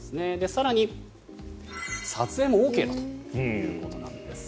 更に、撮影もＯＫだということです。